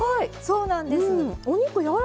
そうなんですよ